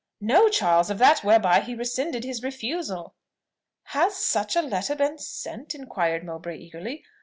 "No, Charles! Of that whereby he rescinded his refusal." "Has such a letter been sent?" inquired Mowbray eagerly.